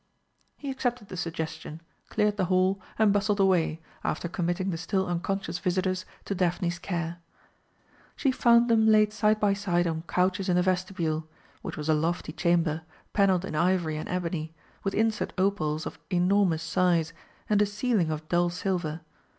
He accepted the suggestion, cleared the hall, and bustled away, after committing the still unconscious visitors to Daphne's care. She found them laid side by side on couches in the vestibule, which was a lofty chamber, panelled in ivory and ebony, with inset opals of enormous size and a ceiling of dull silver.